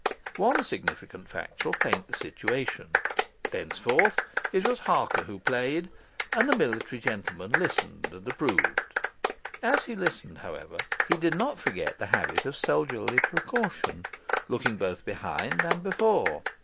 One significant fact shall paint the situation: thenceforth it was Harker who played, and the military gentleman listened and approved. As he listened, however, he did not forget the habit of soldierly precaution, looking both behind and before.